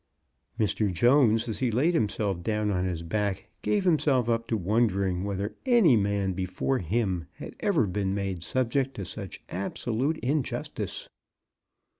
Mr. Jones, as he laid himself down on his back, gave himself up to wondering whether any man be fore him had ever been made subject to such absolute injustice.